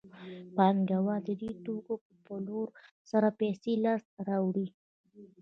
پانګوال د دې توکو په پلورلو سره پیسې لاسته راوړي